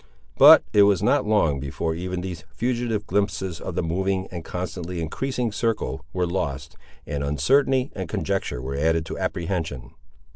But it was not long before even these fugitive glimpses of the moving, and constantly increasing circle, were lost, and uncertainty and conjecture were added to apprehension.